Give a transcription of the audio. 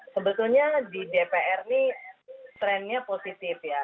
sebetulnya di dpr ini trennya positif ya